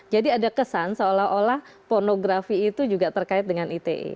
jadi ada kesan seolah olah pornografi itu juga terkait dengan ite